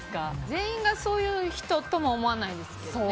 全員がそういう人とも思わないですけどね。